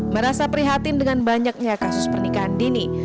merasa prihatin dengan banyaknya kasus pernikahan dini